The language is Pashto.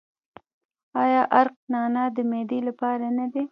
آیا عرق نعنا د معدې لپاره نه دی؟